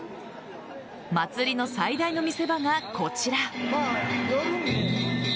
祭りの最大の見せ場がこちら。